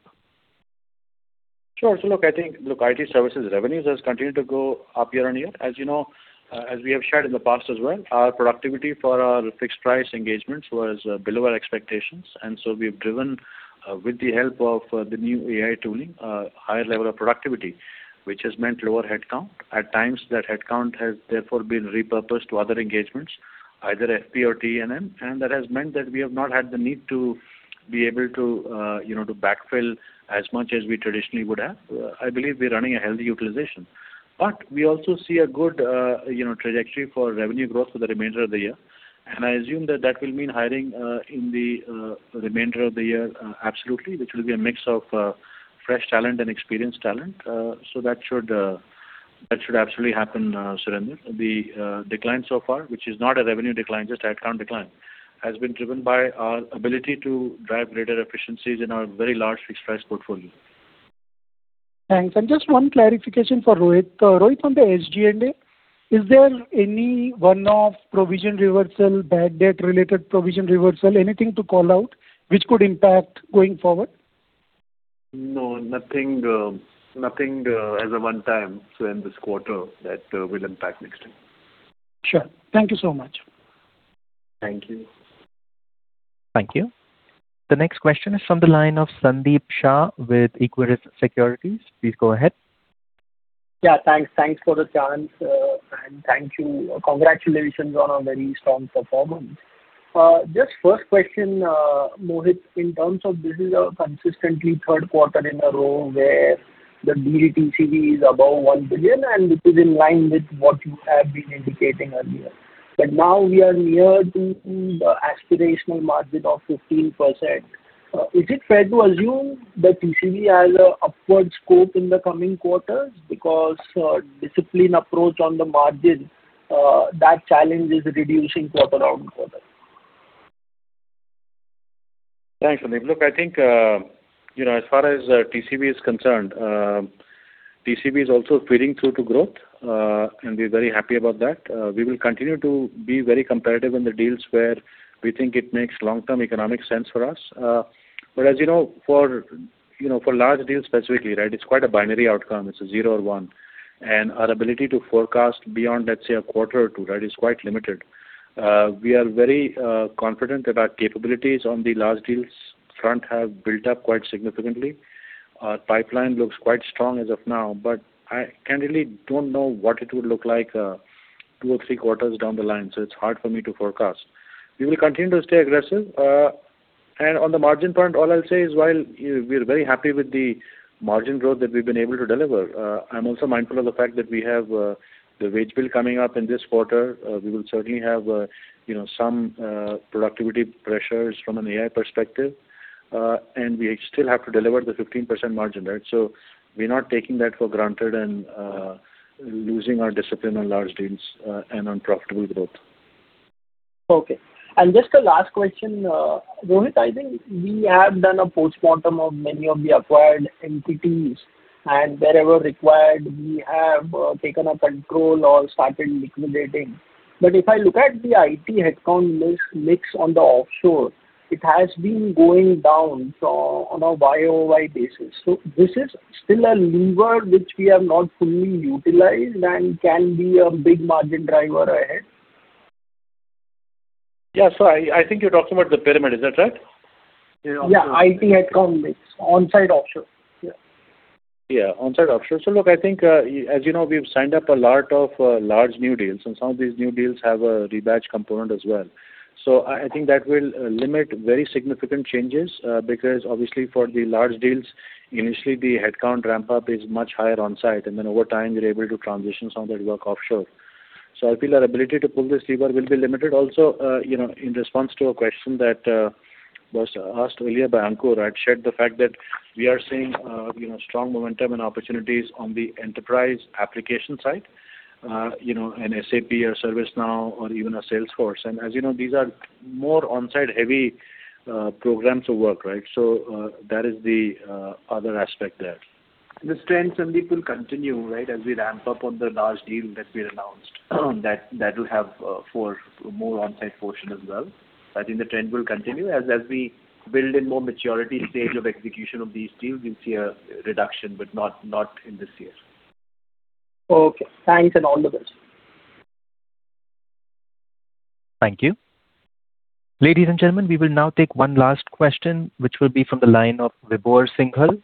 Sure. Look, I think IT services revenues has continued to go up year-over-year. As we have shared in the past as well, our productivity for our fixed price engagements was below our expectations. We've driven, with the help of the new AI tooling, a higher level of productivity, which has meant lower headcount. At times, that headcount has therefore been repurposed to other engagements, either FP or T&M. That has meant that we have not had the need to be able to backfill as much as we traditionally would have. I believe we're running a healthy utilization. We also see a good trajectory for revenue growth for the remainder of the year. I assume that that will mean hiring in the remainder of the year, absolutely, which will be a mix of fresh talent and experienced talent. That should absolutely happen, Surendra. The decline so far, which is not a revenue decline, just headcount decline, has been driven by our ability to drive greater efficiencies in our very large fixed price portfolio. Thanks. Just one clarification for Rohit. Rohit, on the SG&A, is there any one-off provision reversal, bad debt-related provision reversal, anything to call out, which could impact going forward? No, nothing as a one-time in this quarter that will impact next time. Sure. Thank you so much. Thank you. Thank you. The next question is from the line of Sandeep Shah with Equirus Securities. Please go ahead. Yeah, thanks for the chance. Thank you. Congratulations on a very strong performance. Just first question, Mohit, in terms of this is our consistently third quarter in a row where the DGTCD is above $1 billion, and it is in line with what you have been indicating earlier. Now we are near to the aspirational margin of 15%. Is it fair to assume that TCV has an upward scope in the coming quarters because discipline approach on the margin, that challenge is reducing quarter-on-quarter? Thanks, Sandeep. Look, I think, as far as TCV is concerned, TCV is also feeding through to growth, and we're very happy about that. We will continue to be very competitive in the deals where we think it makes long-term economic sense for us. As you know, for large deals specifically, right, it's quite a binary outcome. It's a zero or one. Our ability to forecast beyond, let's say, a quarter or two, right, is quite limited. We are very confident that our capabilities on the large deals front have built up quite significantly. Our pipeline looks quite strong as of now, but I candidly don't know what it would look like two or three quarters down the line, so it's hard for me to forecast. We will continue to stay aggressive. On the margin front, all I'll say is while we're very happy with the margin growth that we've been able to deliver, I'm also mindful of the fact that we have the wage bill coming up in this quarter. We will certainly have some productivity pressures from an AI perspective. We still have to deliver the 15% margin, right, so we're not taking that for granted and losing our discipline on large deals and on profitable growth. Okay. Just a last question. Rohit, I think we have done a postmortem of many of the acquired entities, and wherever required, we have taken control or started liquidating. If I look at the IT headcount mix on the offshore, it has been going down on a YoY basis. This is still a lever which we have not fully utilized and can be a big margin driver ahead. Yeah. I think you're talking about the pyramid, is that right? Yeah. IT headcount mix, onsite offshore. Yeah. Yeah. Onsite offshore. Look, I think, as you know, we've signed up a lot of large new deals, and some of these new deals have a rebadge component as well. I think that will limit very significant changes because obviously for the large deals, initially the headcount ramp-up is much higher on-site, and then over time, we're able to transition some of that work offshore. I feel our ability to pull this lever will be limited. Also in response to a question that was asked earlier by Ankur, I'd shared the fact that we are seeing strong momentum and opportunities on the enterprise application side, an SAP or ServiceNow or even a Salesforce. As you know, these are more onsite-heavy programs of work, right? That is the other aspect there. This trend, Sandeep, will continue, right, as we ramp up on the large deal that we announced. That will have a more onsite portion as well. I think the trend will continue. As we build in more maturity stage of execution of these deals, we'll see a reduction, but not in this year. Okay. Thanks, and all the best. Thank you. Ladies and gentlemen, we will now take one last question, which will be from the line of Vibhor Singhal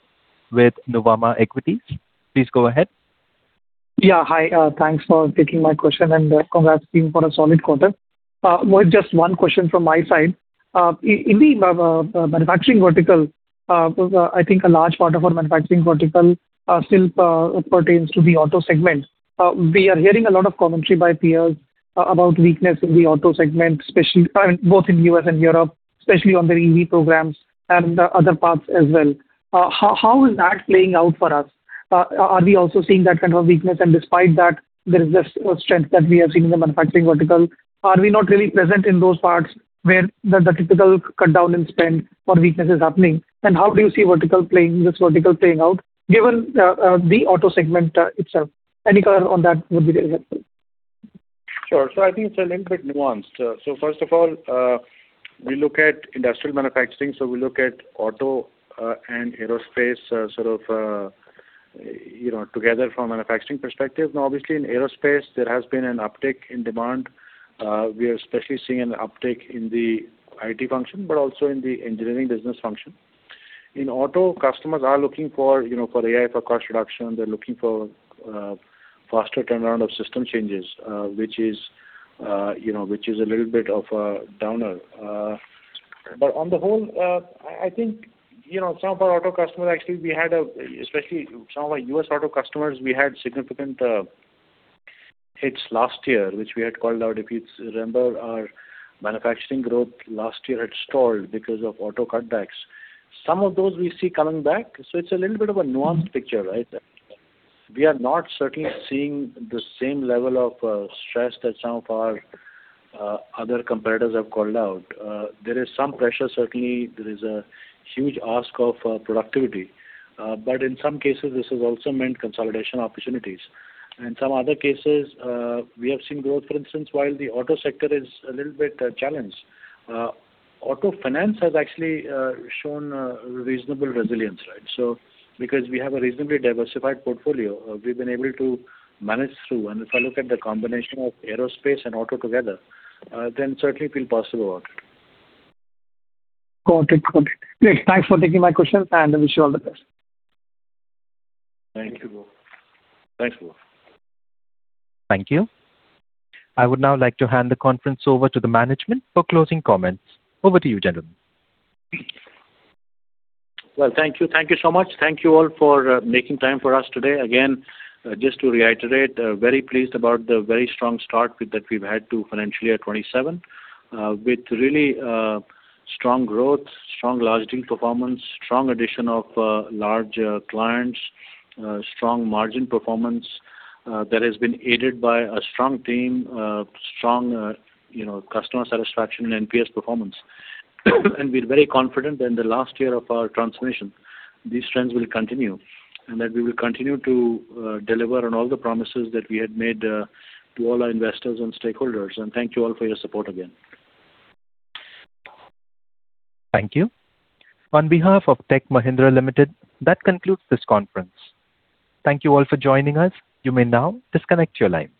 with Nuvama Equities. Please go ahead. Yeah. Hi. Thanks for taking my question, congrats team for a solid quarter. Mohit, just one question from my side. In the manufacturing vertical, I think a large part of our manufacturing vertical still pertains to the auto segment. We are hearing a lot of commentary by peers about weakness in the auto segment, both in U.S. and Europe, especially on their EV programs and other parts as well. How is that playing out for us? Are we also seeing that kind of weakness, despite that, there is this strength that we are seeing in the manufacturing vertical? Are we not really present in those parts where the typical cut-down in spend or weakness is happening? How do you see this vertical playing out given the auto segment itself? Any color on that would be very helpful. Sure. I think it's a little bit nuanced. First of all, we look at industrial manufacturing, we look at auto and aerospace sort of together from a manufacturing perspective. Now, obviously, in aerospace, there has been an uptick in demand. We are especially seeing an uptick in the IT function, but also in the engineering business function. In auto, customers are looking for AI for cost reduction. They're looking for faster turnaround of system changes, which is a little bit of a downer. On the whole, I think some of our auto customers, actually, especially some of our U.S. auto customers, we had significant hits last year, which we had called out. If you remember, our manufacturing growth last year had stalled because of auto cutbacks. Some of those we see coming back. It's a little bit of a nuanced picture, right? We are not certainly seeing the same level of stress that some of our other competitors have called out. There is some pressure. Certainly, there is a huge ask of productivity. In some cases, this has also meant consolidation opportunities. In some other cases, we have seen growth. For instance, while the auto sector is a little bit challenged, auto finance has actually shown reasonable resilience, right? Because we have a reasonably diversified portfolio, we've been able to manage through. If I look at the combination of aerospace and auto together, certainly it feels possible about it. Got it. Great. Thanks for taking my question, wish you all the best. Thank you. Thank you. I would now like to hand the conference over to the management for closing comments. Over to you, gentlemen. Well, thank you. Thank you so much. Thank you all for making time for us today. Again, just to reiterate, very pleased about the very strong start that we've had to financial year 2027, with really strong growth, strong large deal performance, strong addition of large clients, strong margin performance that has been aided by a strong team, strong customer satisfaction, and NPS performance. We're very confident in the last year of our transformation, these trends will continue, and that we will continue to deliver on all the promises that we had made to all our investors and stakeholders. Thank you all for your support again. Thank you. On behalf of Tech Mahindra Limited, that concludes this conference. Thank you all for joining us. You may now disconnect your line.